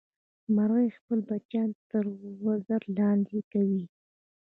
مورغۍ خپل بچیان تر وزر لاندې کوي